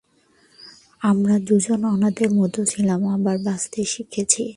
আমরা দুজন অনাথের মতো ছিলাম আবার বাঁচতে শিখছি।